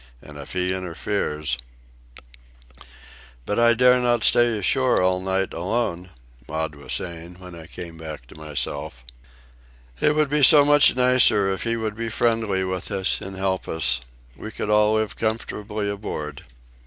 "And if he interferes—" "But I dare not stay ashore all night alone," Maud was saying when I came back to myself. "It would be so much nicer if he would be friendly with us and help us. We could all live comfortably aboard."